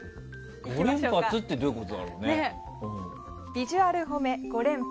ビジュアル褒め５連発。